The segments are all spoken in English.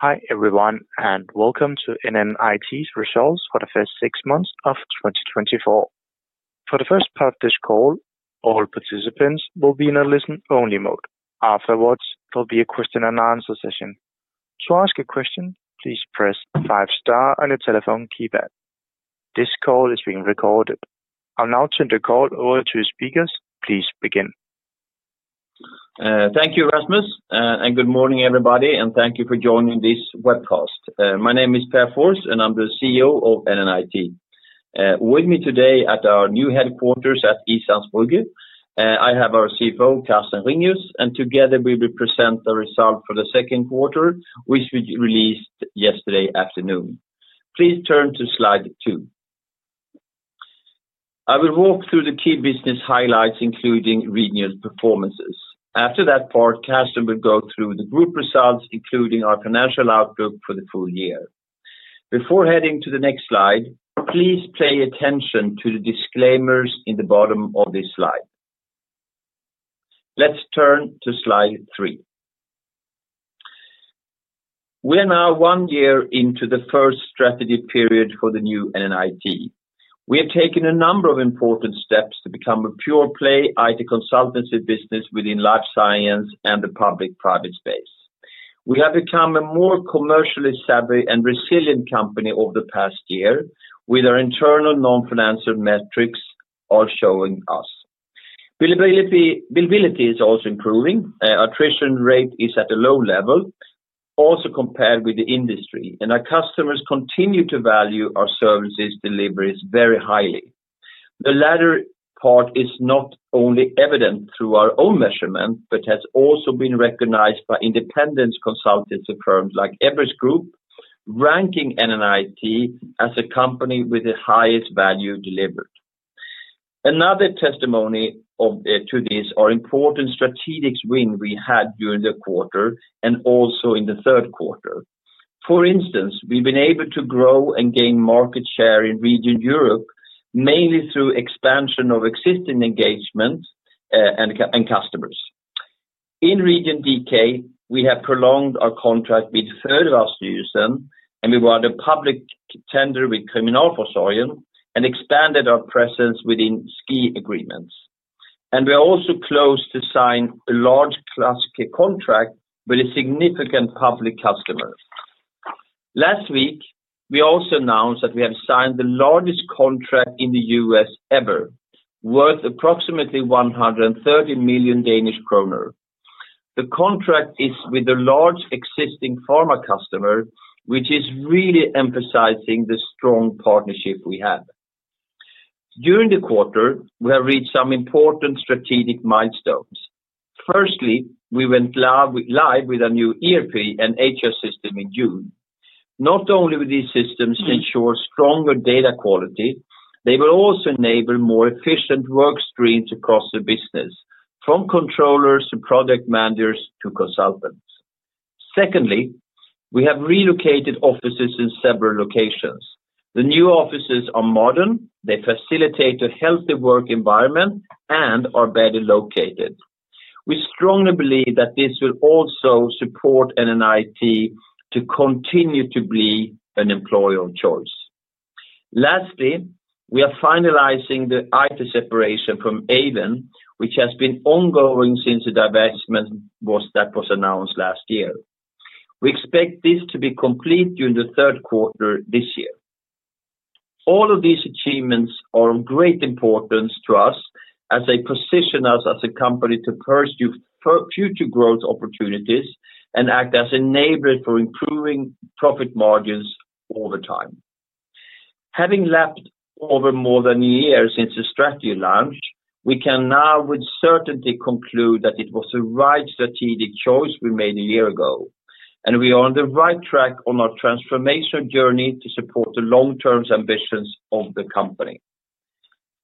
Hi, everyone, and welcome to NNIT's results for the first six months of 2024. For the first part of this call, all participants will be in a listen-only mode. Afterwards, there'll be a question and answer session. To ask a question, please press five star on your telephone keypad. This call is being recorded. I'll now turn the call over to the speakers. Please begin. Thank you, Rasmus, and good morning, everybody, and thank you for joining this webcast. My name is Pär Fors, and I'm the CEO of NNIT. With me today at our new headquarters at Islands Brygge, I have our CFO, Carsten Ringius, and together we will present the result for the second quarter, which we released yesterday afternoon. Please turn to slide two. I will walk through the key business highlights, including regional performances. After that part, Carsten will go through the group results, including our financial outlook for the full year. Before heading to the next slide, please pay attention to the disclaimers in the bottom of this slide. Let's turn to slide three. We are now one year into the first strategy period for the new NNIT. We have taken a number of important steps to become a pure-play IT consultancy business within life science and the public-private space. We have become a more commercially savvy and resilient company over the past year with our internal non-financial metrics all showing us. Billability, billability is also improving. Attrition rate is at a low level, also compared with the industry, and our customers continue to value our services deliveries very highly. The latter part is not only evident through our own measurement, but has also been recognized by independent consultancy firms like Everest Group, ranking NNIT as a company with the highest value delivered. Another testimony of, to this are important strategic win we had during the quarter and also in the third quarter. For instance, we've been able to grow and gain market share in Region Europe, mainly through expansion of existing engagements and customers. In Region DK, we have prolonged our contract with Fødevarestyrelsen, and we won the public tender with Kriminalforsorgen and expanded our presence within SKI agreements. We are also close to sign a large classic contract with a significant public customer. Last week, we also announced that we have signed the largest contract in the U.S. ever, worth approximately 130 million Danish kroner. The contract is with a large existing pharma customer, which is really emphasizing the strong partnership we have. During the quarter, we have reached some important strategic milestones. Firstly, we went live with a new ERP and HR system in June. Not only will these systems ensure stronger data quality, they will also enable more efficient work streams across the business, from controllers to project managers to consultants. Secondly, we have relocated offices in several locations. The new offices are modern, they facilitate a healthy work environment and are better located. We strongly believe that this will also support NNIT to continue to be an employer of choice. Lastly, we are finalizing the IT separation from Aeven, which has been ongoing since the divestment was announced last year. We expect this to be complete during the third quarter this year. All of these achievements are of great importance to us as they position us as a company to pursue future growth opportunities and act as enablers for improving profit margins over time. Having leapt over more than a year since the strategy launch, we can now with certainty conclude that it was the right strategic choice we made a year ago, and we are on the right track on our transformation journey to support the long-term ambitions of the company.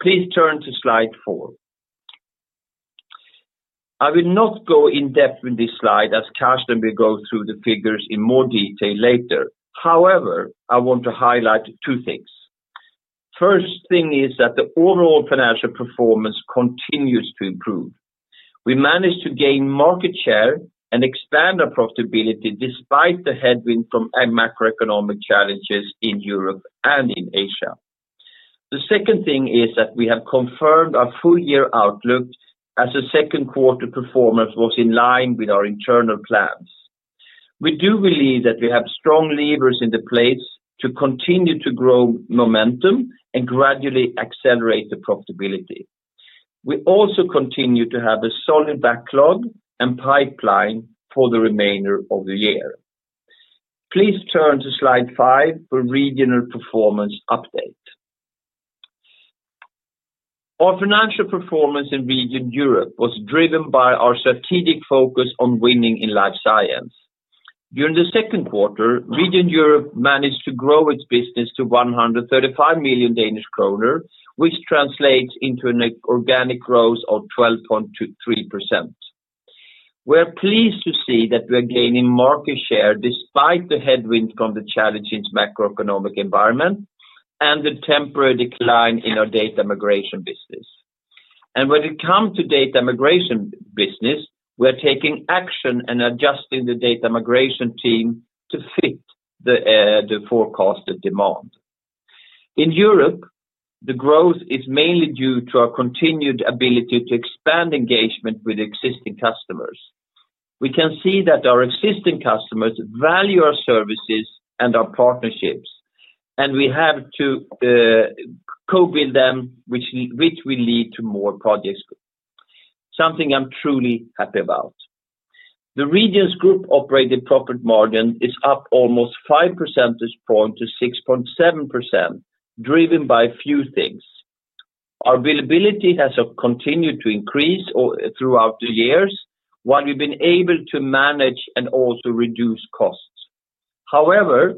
Please turn to slide four. I will not go in depth with this slide, as Carsten will go through the figures in more detail later. However, I want to highlight two things. First thing is that the overall financial performance continues to improve. We managed to gain market share and expand our profitability despite the headwind from the macroeconomic challenges in Europe and in Asia. The second thing is that we have confirmed our full-year outlook as the second quarter performance was in line with our internal plans. We do believe that we have strong levers in place to continue to grow momentum and gradually accelerate the profitability. We also continue to have a solid backlog and pipeline for the remainder of the year. Please turn to slide five for regional performance update. Our financial performance in Region Europe was driven by our strategic focus on winning in life science. During the second quarter, Region Europe managed to grow its business to 135 million Danish kroner, which translates into an organic growth of 12.3%. We're pleased to see that we are gaining market share despite the headwind from the challenging macroeconomic environment and the temporary decline in our data migration business, and when it come to data migration business, we're taking action and adjusting the data migration team to fit the forecasted demand. In Europe, the growth is mainly due to our continued ability to expand engagement with existing customers. We can see that our existing customers value our services and our partnerships, and we have to cope with them, which will lead to more projects, something I'm truly happy about. The regions group operating profit margin is up almost five percentage point to 6.7%, driven by a few things. Our availability has continued to increase throughout the years, while we've been able to manage and also reduce costs. However,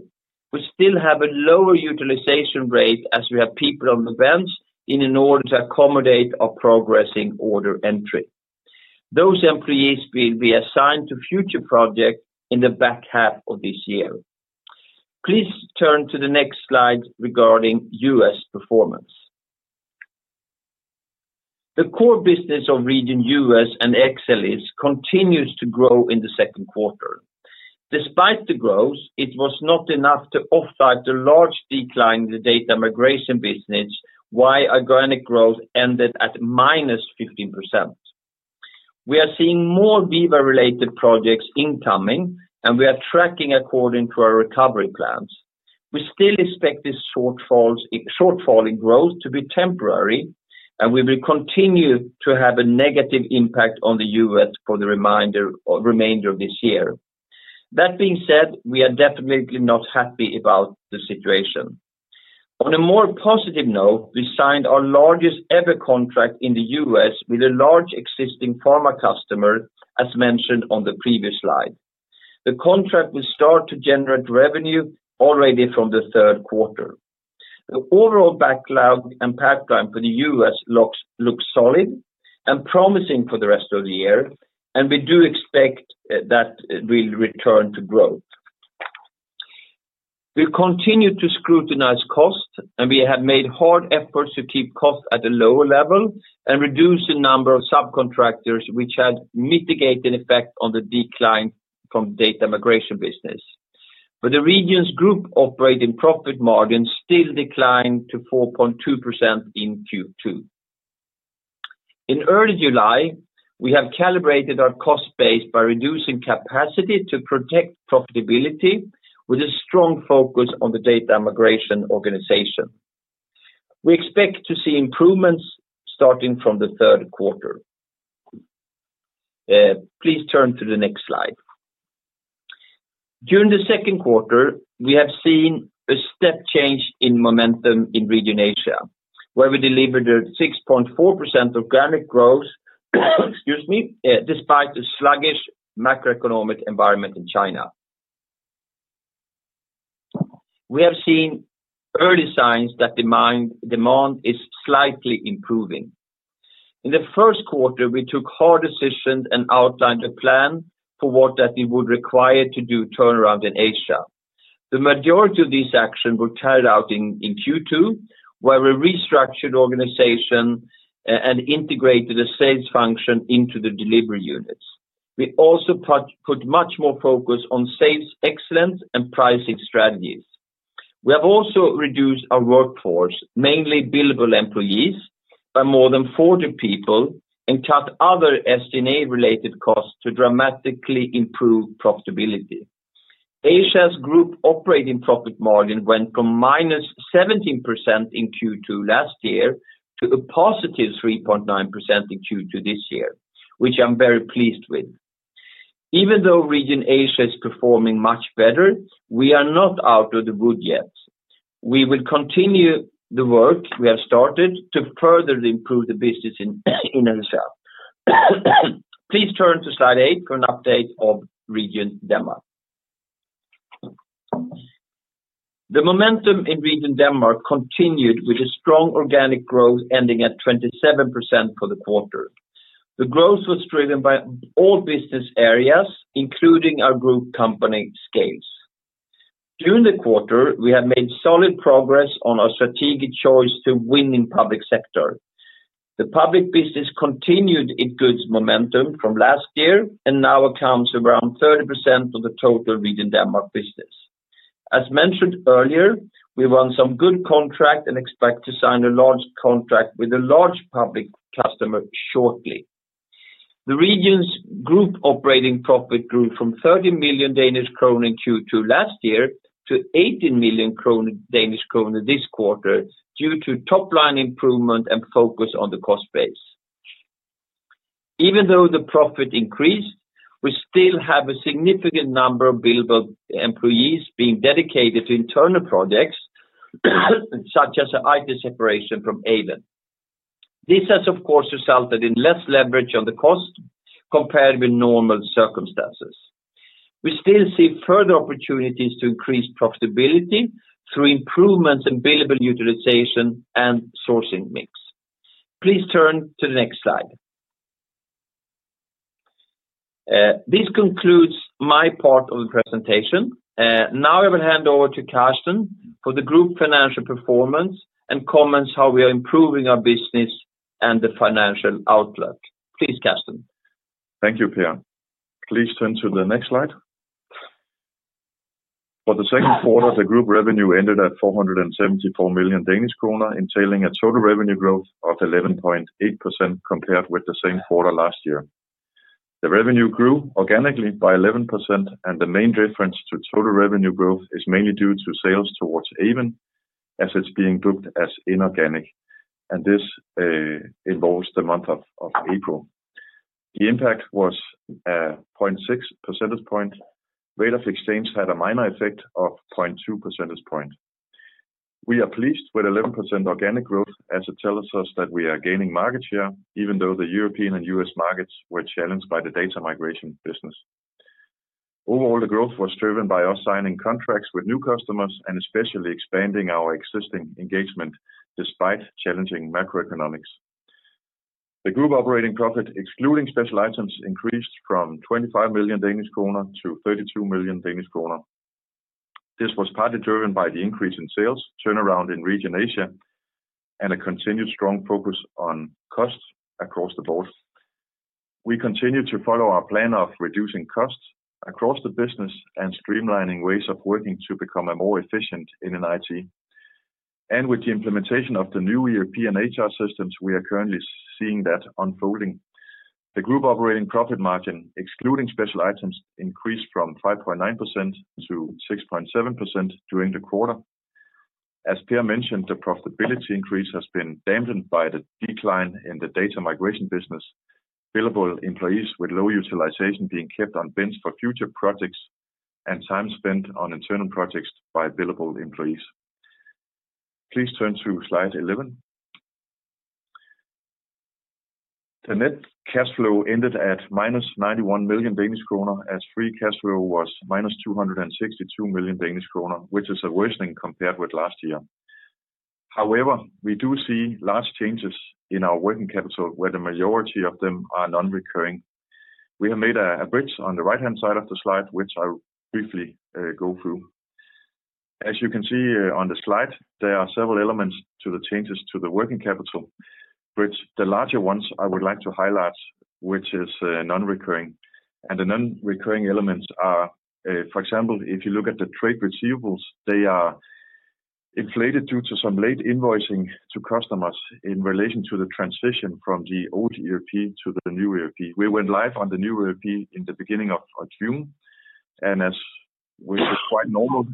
we still have a lower utilization rate as we have people on the bench in order to accommodate our progressing order entry. Those employees will be assigned to future projects in the back half of this year. Please turn to the next slide regarding U.S. performance. The core business of Region U.S. and Excellis continues to grow in the second quarter. Despite the growth, it was not enough to offset the large decline in the data migration business, why organic growth ended at -15%. We are seeing more Veeva-related projects incoming, and we are -tracking according to our recovery plans. We still expect this shortfalls, shortfall in growth to be temporary, and we will continue to have a negative impact on the U.S. for the reminder, remainder of this year. That being said, we are definitely not happy about the situation. On a more positive note, we signed our largest ever contract in the U.S. with a large existing pharma customer, as mentioned on the previous slide. The contract will start to generate revenue already from the third quarter. The overall backlog and pipeline for the U.S. looks solid and promising for the rest of the year, and we do expect that we'll return to growth. We continue to scrutinize costs, and we have made hard efforts to keep costs at a lower level and reduce the number of subcontractors, which had mitigated effect on the decline from data migration business. But the regions group operating profit margin still declined to 4.2% in Q2. In early July, we have calibrated our cost base by reducing capacity to protect profitability with a strong focus on the data migration organization. We expect to see improvements starting from the third quarter. Please turn to the next slide. During the second quarter, we have seen a step change in momentum in region Asia, where we delivered a 6.4% organic growth, excuse me, despite the sluggish macroeconomic environment in China. We have seen early signs that demand is slightly improving. In the first quarter, we took hard decisions and outlined a plan for what that it would require to do turnaround in Asia. The majority of this action were carried out in Q2, where we restructured organization and integrated a sales function into the delivery units. We also put much more focus on sales excellence and pricing strategies. We have also reduced our workforce, mainly billable employees, by more than 40 people and cut other SG&A-related costs to dramatically improve profitability. Asia's group operating profit margin went from -17% in Q2 last year to a +3.9% in Q2 this year, which I'm very pleased with. Even though region Asia is performing much better, we are not out of the woods yet. We will continue the work we have started to further improve the business in Asia. Please turn to slide eight for an update of region Denmark. The momentum in region Denmark continued with a strong organic growth, ending at 27% for the quarter. The growth was driven by all business areas, including our group company Scales. During the quarter, we have made solid progress on our strategic choice to win in public sector. The public business continued its good momentum from last year and now accounts around 30% of the total region Denmark business. As mentioned earlier, we won some good contract and expect to sign a large contract with a large public customer shortly. The region's group operating profit grew from 30 million Danish krone in Q2 last year to 18 million Danish krone this quarter, due to top line improvement and focus on the cost base. Even though the profit increased, we still have a significant number of billable employees being dedicated to internal projects, such as the IT separation from Aeven. This has, of course, resulted in less leverage on the cost compared with normal circumstances. We still see further opportunities to increase profitability through improvements in billable utilization and sourcing mix. Please turn to the next slide. This concludes my part of the presentation. Now I will hand over to Carsten for the group financial performance and comments how we are improving our business and the financial outlook. Please, Carsten. Thank you, Pär. Please turn to the next slide. For the second quarter, the group revenue ended at 474 million Danish kroner, entailing a total revenue growth of 11.8% compared with the same quarter last year. The revenue grew organically by 11%, and the main difference to total revenue growth is mainly due to sales toward Aeven, as it's being booked as inorganic, and this involves the month of April. The impact was 0.6 percentage point. Rate of exchange had a minor effect of 0.2 percentage point. We are pleased with 11% organic growth, as it tells us that we are gaining market share, even though the European and U.S. markets were challenged by the data migration business. Overall, the growth was driven by us signing contracts with new customers and especially expanding our existing engagement, despite challenging macroeconomics. The group operating profit, excluding special items, increased from 25 million Danish kroner to 32 million Danish kroner. This was partly driven by the increase in sales, turnaround in region Asia, and a continued strong focus on costs across the board. We continue to follow our plan of reducing costs across the business and streamlining ways of working to become a more efficient IT, and with the implementation of the new ERP systems, we are currently seeing that unfolding. The group operating profit margin, excluding special items, increased from 5.9% to 6.7% during the quarter. As Pär mentioned, the profitability increase has been dampened by the decline in the data migration business, billable employees with low utilization being kept on bench for future projects, and time spent on internal projects by billable employees. Please turn to slide 11. The net cash flow ended at -91 million Danish kroner, as free cash flow was -262 million Danish kroner, which is a worsening compared with last year. However, we do see large changes in our working capital, where the majority of them are non-recurring. We have made a bridge on the right-hand side of the slide, which I'll briefly go through. As you can see on the slide, there are several elements to the changes to the working capital, which the larger ones I would like to highlight, which is non-recurring. The non-recurring elements are, for example, if you look at the trade receivables, they are inflated due to some late invoicing to customers in relation to the transition from the old ERP to the new ERP. We went live on the new ERP in the beginning of June, and as which is quite normal,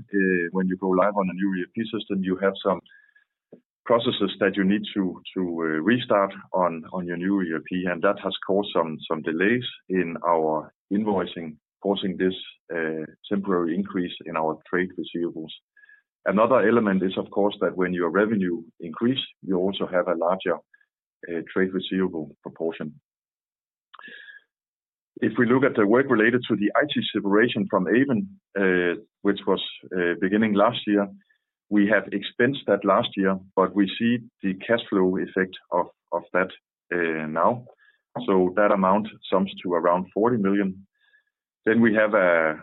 when you go live on a new ERP system, you have some processes that you need to restart on your new ERP, and that has caused some delays in our invoicing, causing this temporary increase in our trade receivables. Another element is, of course, that when your revenue increase, you also have a larger trade receivable proportion. If we look at the work related to the IT separation from Aeven, which was beginning last year, we have expensed that last year, but we see the cash flow effect of that now. So that amount sums to around 40 million. Then we have a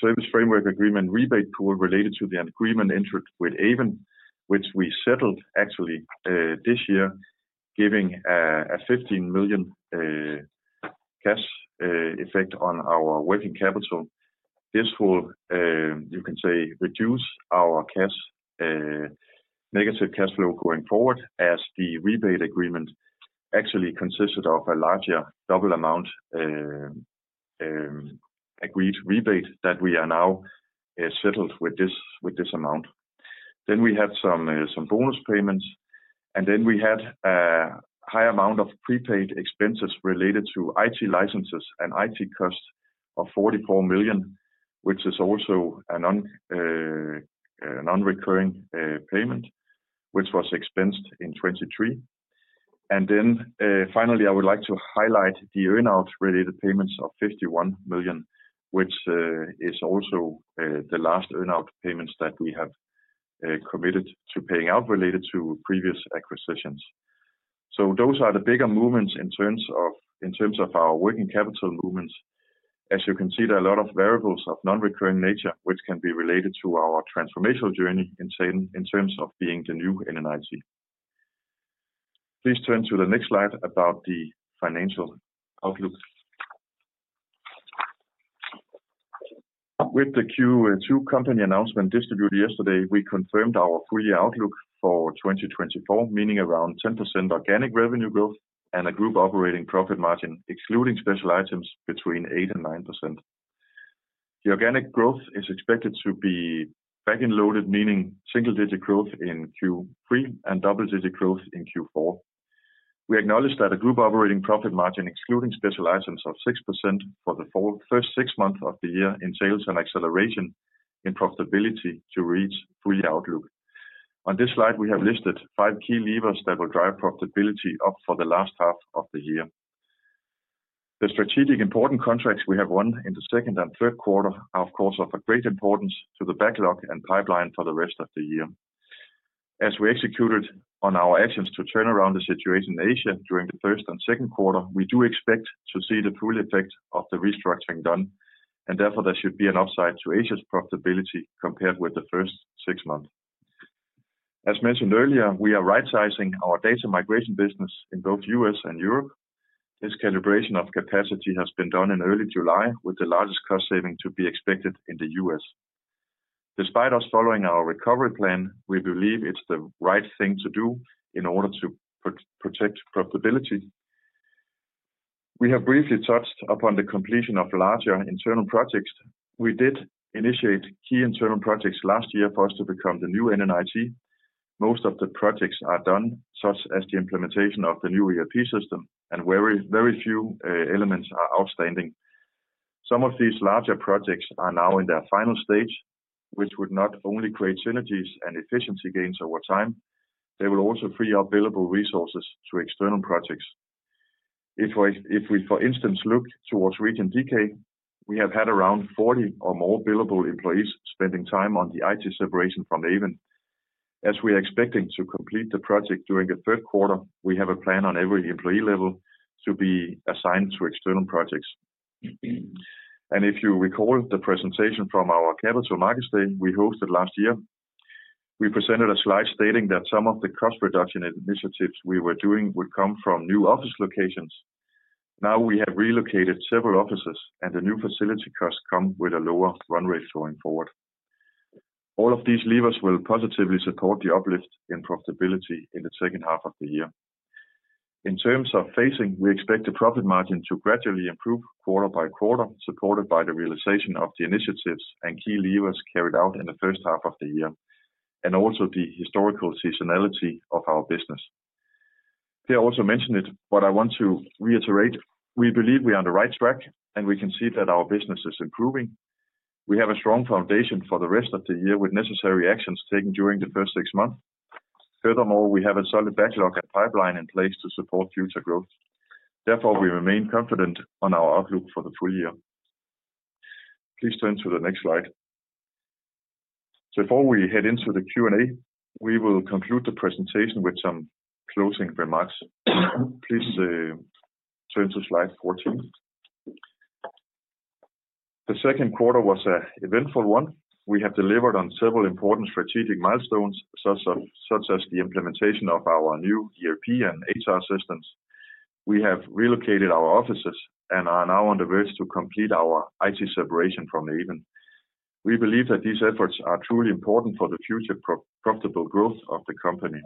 service framework agreement rebate pool related to the agreement entered with Aeven, which we settled actually this year, giving a 15 million cash effect on our working capital. This will, you can say, reduce our cash negative cash flow going forward, as the rebate agreement actually consisted of a larger double amount agreed rebate that we are now settled with this amount. Then we had some bonus payments, and then we had a high amount of prepaid expenses related to IT licenses and IT costs of 44 million, which is also a non-recurring payment, which was expensed in 2023. And then finally, I would like to highlight the earn-out related payments of 51 million, which is also the last earn-out payments that we have committed to paying out related to previous acquisitions. So those are the bigger movements in terms of our working capital movements. As you can see, there are a lot of variables of non-recurring nature, which can be related to our transformational journey in terms of being the new NNIT. Please turn to the next slide about the financial outlook. With the Q2 company announcement distributed yesterday, we confirmed our full year outlook for 2024, meaning around 10% organic revenue growth and a group operating profit margin, excluding special items between 8% and 9%. The organic growth is expected to be back-end loaded, meaning single-digit growth in Q3 and double-digit growth in Q4. We acknowledge that a group operating profit margin, excluding special items, of 6% for the full first six months of the year in sales and acceleration in profitability to reach full year outlook. On this slide, we have listed five key levers that will drive profitability up for the last half of the year. The strategic important contracts we have won in the second and third quarter are, of course, of a great importance to the backlog and pipeline for the rest of the year. As we executed on our actions to turn around the situation in Asia during the first and second quarter, we do expect to see the full effect of the restructuring done, and therefore there should be an upside to Asia's profitability compared with the first six months. As mentioned earlier, we are rightsizing our data migration business in both U.S. and Europe. This calibration of capacity has been done in early July, with the largest cost saving to be expected in the U.S.. Despite us following our recovery plan, we believe it's the right thing to do in order to protect profitability. We have briefly touched upon the completion of larger internal projects. We did initiate key internal projects last year for us to become the new NNIT. Most of the projects are done, such as the implementation of the new ERP system, and very, very few elements are outstanding. Some of these larger projects are now in their final stage, which would not only create synergies and efficiency gains over time, they will also free up billable resources to external projects. If we, for instance, look towards Region DK, we have had around 40 or more billable employees spending time on the IT separation from Aeven. As we are expecting to complete the project during the third quarter, we have a plan on every employee level to be assigned to external projects. And if you recall the presentation from our capital markets day we hosted last year, we presented a slide stating that some of the cost reduction initiatives we were doing would come from new office locations. Now we have relocated several offices and the new facility costs come with a lower run rate going forward. All of these levers will positively support the uplift in profitability in the second half of the year. In terms of phasing, we expect the profit margin to gradually improve quarter by quarter, supported by the realization of the initiatives and key levers carried out in the first half of the year, and also the historical seasonality of our business. Per also mentioned it, but I want to reiterate, we believe we are on the right track and we can see that our business is improving. We have a strong foundation for the rest of the year, with necessary actions taken during the first six months. Furthermore, we have a solid backlog and pipeline in place to support future growth. Therefore, we remain confident on our outlook for the full year. Please turn to the next slide. So before we head into the Q&A, we will conclude the presentation with some closing remarks. Please, turn to slide 14. The second quarter was an eventful one. We have delivered on several important strategic milestones, such as the implementation of our new ERP and HR systems. We have relocated our offices and are now on the verge to complete our IT separation from Aeven. We believe that these efforts are truly important for the future profitable growth of the company.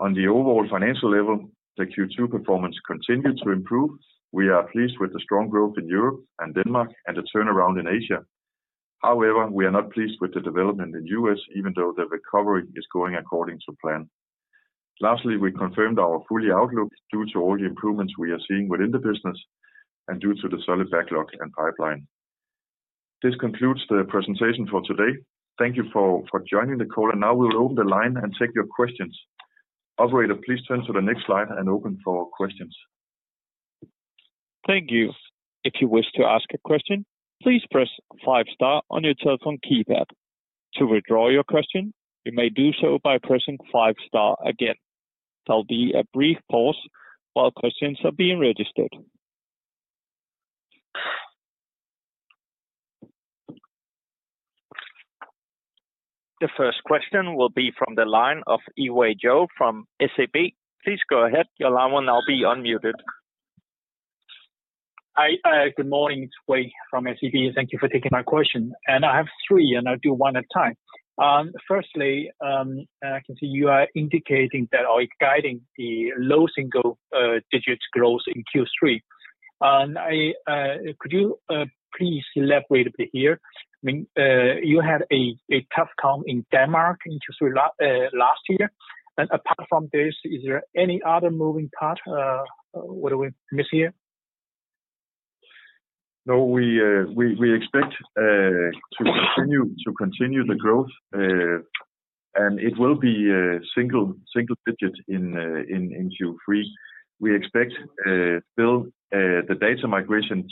On the overall financial level, the Q2 performance continued to improve. We are pleased with the strong growth in Europe and Denmark and the turnaround in Asia. However, we are not pleased with the development in U.S., even though the recovery is going according to plan. Lastly, we confirmed our full-year outlook due to all the improvements we are seeing within the business and due to the solid backlog and pipeline. This concludes the presentation for today. Thank you for joining the call. And now we will open the line and take your questions. Operator, please turn to the next slide and open for questions. Thank you. If you wish to ask a question, please press five star on your telephone keypad. To withdraw your question, you may do so by pressing five star again. There'll be a brief pause while questions are being registered. The first question will be from the line of Yiwei Zhou from SEB. Please go ahead. Your line will now be unmuted. Hi, good morning, it's Yiwei Zhou from SEB. Thank you for taking my question, and I have three, and I'll do one at a time. Firstly, I can see you are indicating that or guiding the low single digits growth in Q3. And could you please elaborate a bit here? I mean, you had a tough time in Denmark in Q3 last year. And apart from this, is there any other moving part? What do we miss here? No, we expect to continue the growth, and it will be single digits in Q3. We expect still the data migration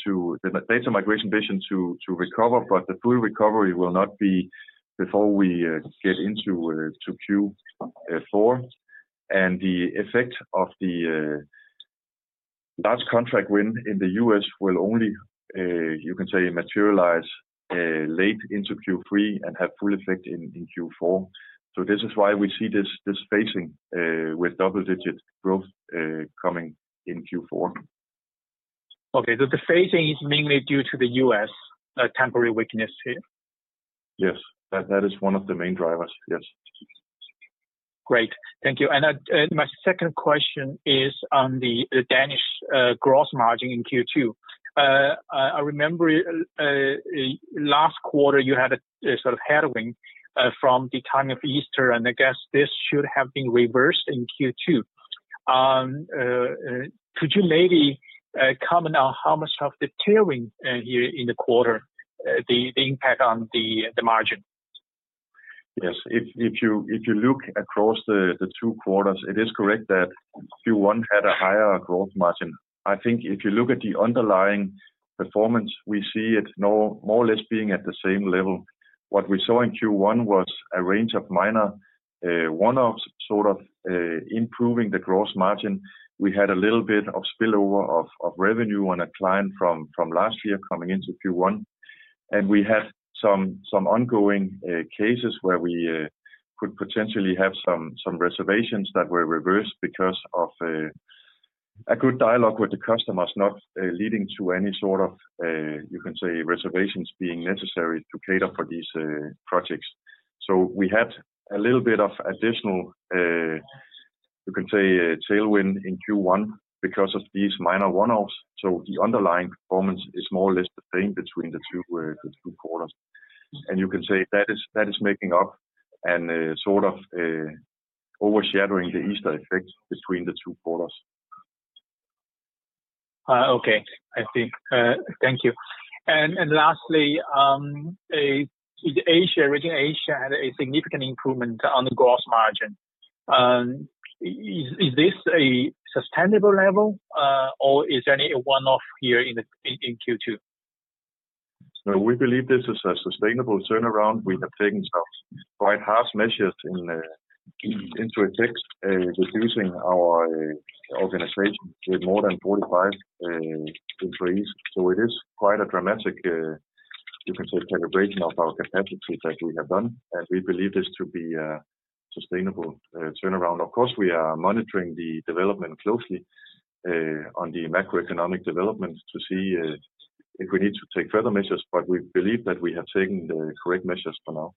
business to recover, but the full recovery will not be before we get into Q4. The effect of the last contract win in the U.S. will only, you can say, materialize late into Q3 and have full effect in Q4. This is why we see this phasing with double digit growth coming in Q4. Okay, so the phasing is mainly due to the U.S. temporary weakness here? Yes, that, that is one of the main drivers, yes. Great, thank you. And my second question is on the Danish gross margin in Q2. I remember last quarter you had a sort of headwind from the time of Easter, and I guess this should have been reversed in Q2. Could you maybe comment on how much of the tailwind here in the quarter, the impact on the margin? Yes. If you look across the two quarters, it is correct that Q1 had a higher gross margin. I think if you look at the underlying performance, we see it more or less being at the same level. What we saw in Q1 was a range of minor one-offs, sort of, improving the gross margin. We had a little bit of spillover of revenue on a client from last year coming into Q1, and we had some ongoing cases where we could potentially have some reservations that were reversed because of a good dialogue with the customers, not leading to any sort of, you can say, reservations being necessary to cater for these projects. So we had a little bit of additional, you can say, tailwind in Q1 because of these minor one-offs. So the underlying performance is more or less the same between the two, the two quarters. And you can say that is, that is making up and, sort of, overshadowing the Easter effect between the two quarters. Okay. I see. Thank you. And lastly, in Asia, region Asia had a significant improvement on the gross margin. Is this a sustainable level, or is there any one-off here in Q2? So we believe this is a sustainable turnaround. We have taken some quite harsh measures into effect, reducing our organization with more than 45 employees. So it is quite a dramatic, you can say, calibration of our capacity that we have done, and we believe this to be a sustainable turnaround. Of course, we are monitoring the development closely on the macroeconomic development to see if we need to take further measures, but we believe that we have taken the correct measures for now.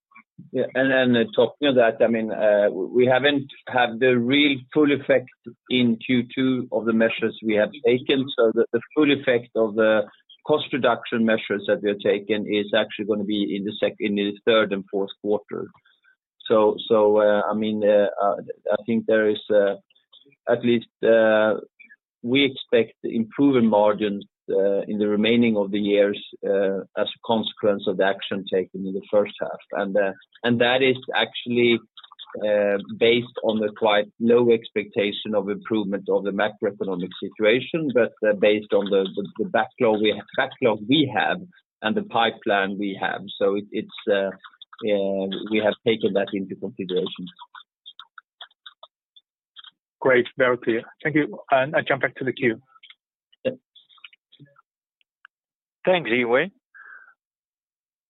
Yeah, and talking of that, I mean, we haven't had the real full effect in Q2 of the measures we have taken. So the full effect of the cost reduction measures that we have taken is actually going to be in the third and fourth quarter. So, I mean, I think, at least, we expect improving margins in the remaining of the years as a consequence of the action taken in the first half. And that is actually based on the quite low expectation of improvement of the macroeconomic situation, but based on the backlog we have and the pipeline we have. So we have taken that into consideration. Great. Very clear. Thank you, and I jump back to the queue. Thanks, Yiwei.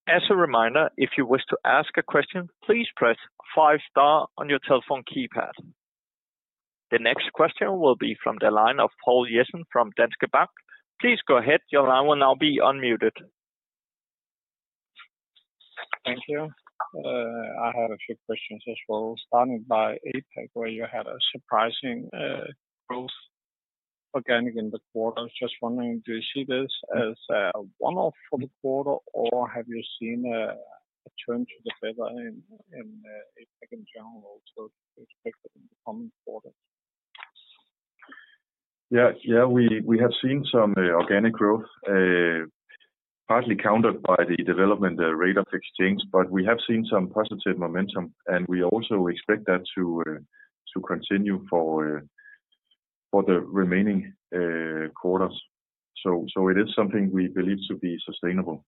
As a reminder, if you wish to ask a question, please press five star on your telephone keypad. The next question will be from the line of Poul Jessen from Danske Bank. Please go ahead. Your line will now be unmuted. Thank you. I had a few questions as well, starting by APAC, where you had a surprising growth, organic in the quarter. Just wondering, do you see this as a one-off for the quarter, or have you seen a turn to the better in APAC in general, so expected in the coming quarters? Yeah, yeah, we have seen some organic growth, partly countered by the development, the rate of exchange, but we have seen some positive momentum, and we also expect that to continue for the remaining quarters. So, it is something we believe to be sustainable.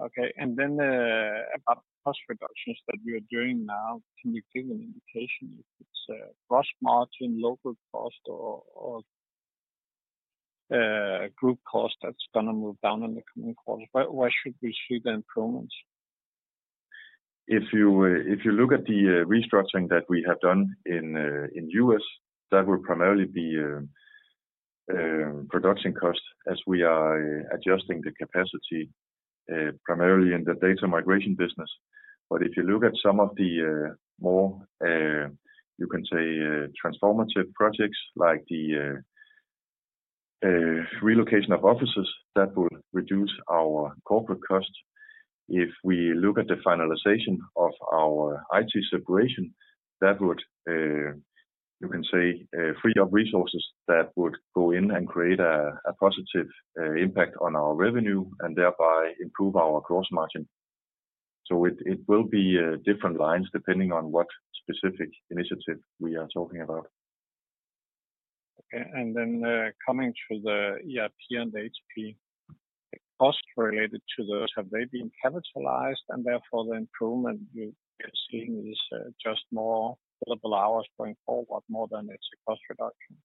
Okay. And then, about cost reductions that you are doing now, can you give an indication if it's, gross margin, local cost or group cost that's going to move down in the coming quarters? Where should we see the improvements? If you look at the restructuring that we have done in U.S., that will primarily be production costs as we are adjusting the capacity primarily in the data migration business. But if you look at some of the more you can say transformative projects, like the relocation of offices, that would reduce our corporate costs. If we look at the finalization of our IT separation, that would you can say free up resources that would go in and create a positive impact on our revenue and thereby improve our gross margin. So it will be different lines depending on what specific initiative we are talking about. Okay. Then, coming to the ERP and HP, the cost related to those, have they been capitalized and therefore the improvement you are seeing is just more billable hours going forward more than it's a cost reduction?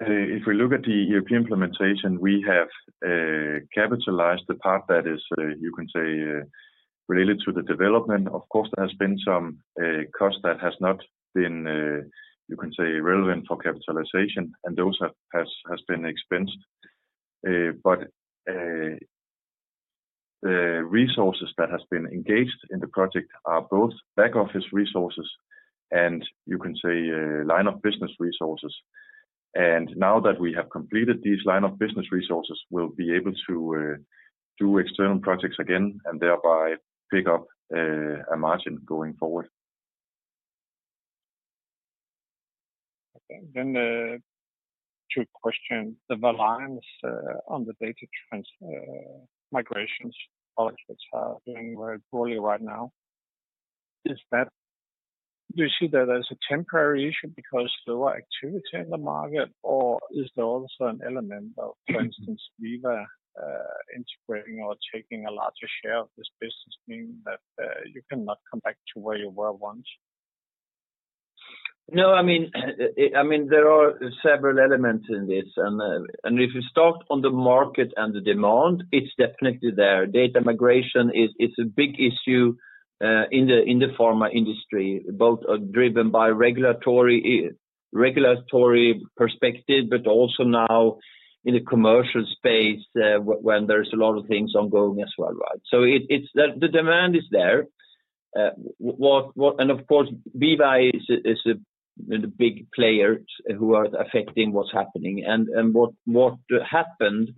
If we look at the ERP implementation, we have capitalized the part that is, you can say, related to the development. Of course, there has been some cost that has not been, you can say, relevant for capitalization, and those have been expensed. But the resources that has been engaged in the project are both back office resources and, you can say, line of business resources. And now that we have completed these line of business resources, we'll be able to do external projects again and thereby pick up a margin going forward. ... Okay, then, two questions. The reliance on the data migrations, which are doing very poorly right now, do you see that as a temporary issue because there are activity in the market, or is there also an element of, for instance, Veeva integrating or taking a larger share of this business, meaning that you cannot come back to where you were once? No, I mean, I mean, there are several elements in this. And, and if you start on the market and the demand, it's definitely there. Data migration is, it's a big issue, in the pharma industry, both are driven by regulatory, regulatory perspective, but also now in the commercial space, when there's a lot of things ongoing as well, right? So it, it's the demand is there. What, what - and of course, Veeva is a, is a, the big player who are affecting what's happening. What happened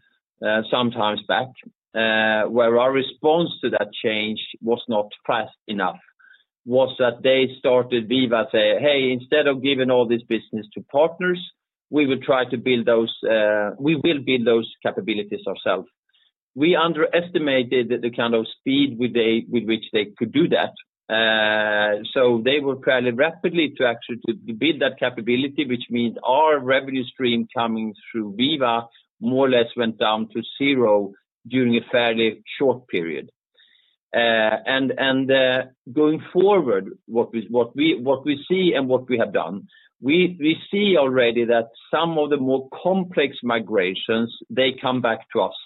sometime back, where our response to that change was not fast enough, was that they started Veeva say, "Hey, instead of giving all this business to partners, we will try to build those, we will build those capabilities ourselves." We underestimated the kind of speed with which they could do that. So they were fairly rapidly to build that capability, which means our revenue stream coming through Veeva more or less went down to zero during a fairly short period. Going forward, what we see and what we have done, we see already that some of the more complex migrations, they come back to us,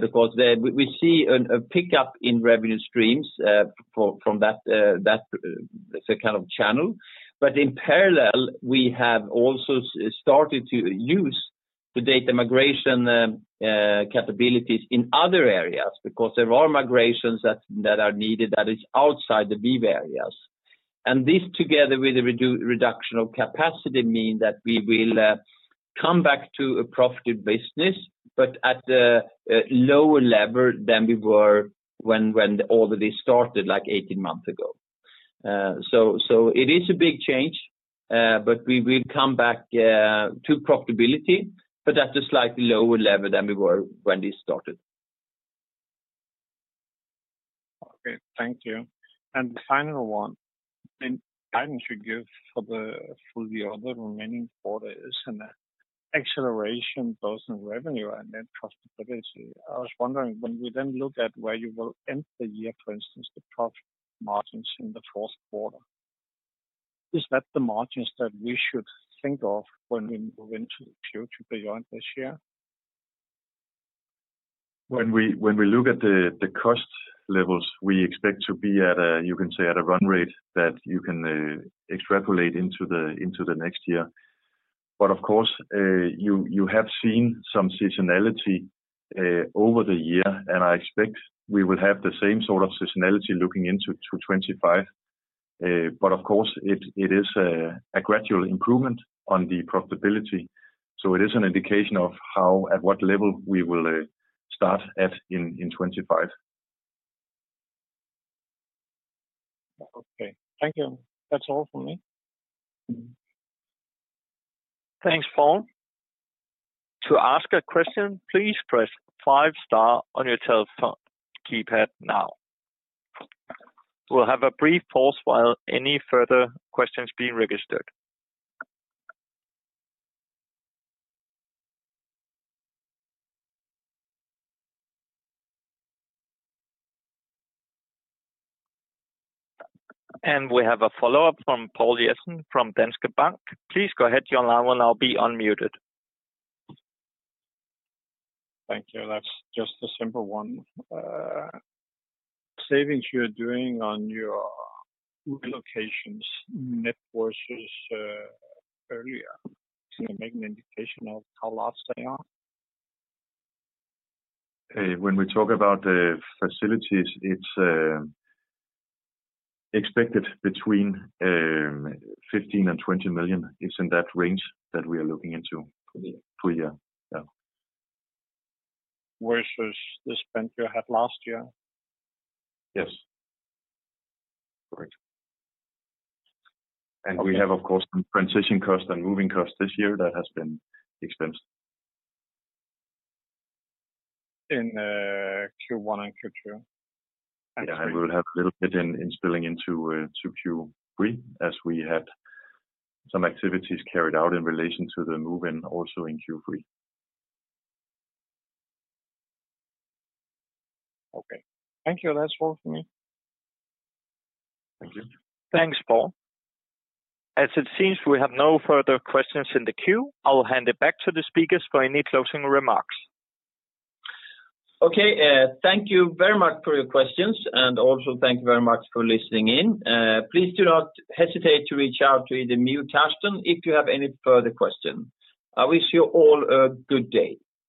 because they. We see a pickup in revenue streams from that kind of channel. But in parallel, we have also started to use the data migration capabilities in other areas, because there are migrations that are needed that is outside the Veeva areas. And this, together with the reduction of capacity, mean that we will come back to a profitable business, but at a lower level than we were when all of this started, like 18 months ago. So it is a big change, but we will come back to profitability, but at a slightly lower level than we were when this started. Okay, thank you. And the final one, and guidance you give for the other remaining quarters and acceleration, both in revenue and net profitability. I was wondering, when we then look at where you will end the year, for instance, the profit margins in the fourth quarter, is that the margins that we should think of when we move into the future beyond this year? When we look at the cost levels, we expect to be at a, you can say, at a run rate that you can extrapolate into the next year. But of course, you have seen some seasonality over the year, and I expect we will have the same sort of seasonality looking into 2025. But of course, it is a gradual improvement on the profitability, so it is an indication of how, at what level we will start at in 2025. Okay. Thank you. That's all from me. Thanks, Poul. To ask a question, please press five star on your telephone keypad now. We'll have a brief pause while any further questions being registered. And we have a follow-up from Poul Jessen, from Danske Bank. Please go ahead, your line will now be unmuted. Thank you. That's just a simple one. Savings you're doing on your locations, net versus earlier, can you make an indication of how large they are? When we talk about the facilities, it's expected between 15 million and 20 million. It's in that range that we are looking into- Per year. per year, yeah. Versus the spend you had last year? Yes. Correct. And we have, of course, some transition costs and moving costs this year that has been expensed. In Q1 and Q2? Yeah, I will have a little bit spilling into Q3, as we had some activities carried out in relation to the move, and also in Q3. Okay. Thank you. That's all for me. Thank you. Thanks, Poul. As it seems, we have no further questions in the queue. I will hand it back to the speakers for any closing remarks. Okay. Thank you very much for your questions, and also thank you very much for listening in. Please do not hesitate to reach out to either me or Carsten if you have any further question. I wish you all a good day.